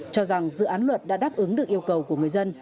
cho rằng dự án luật đã đáp ứng được yêu cầu của người dân